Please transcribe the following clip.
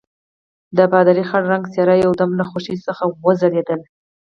د پادري خړ رنګه څېره یو دم له خوښۍ څخه وځلېدله.